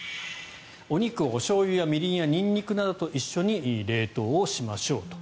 お肉をおしょうゆやみりんニンニクなどと一緒に冷凍しましょうと。